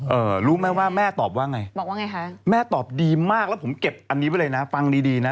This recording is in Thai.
เออรู้ไหมว่าแม่ตอบว่าไงบอกว่าไงคะแม่ตอบดีมากแล้วผมเก็บอันนี้ไว้เลยนะฟังดีดีนะ